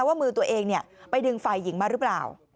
ว่ามือตัวเองไปดึงฝ่ายหญิงมาหรือเปล่า